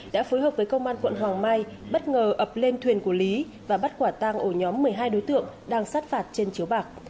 đã phối hợp với công an quận hoàng mai bất ngờ ập lên thuyền của lý và bắt quả tang ổ nhóm một mươi hai đối tượng đang sát phạt trên chiếu bạc